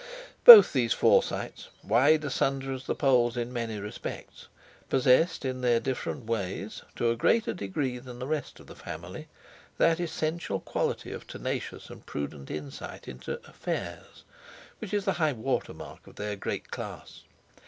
Both these Forsytes, wide asunder as the poles in many respects, possessed in their different ways—to a greater degree than the rest of the family—that essential quality of tenacious and prudent insight into "affairs," which is the highwater mark of their great class.